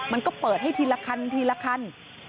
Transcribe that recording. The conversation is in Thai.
มันก็เปิดให้ทีละคัน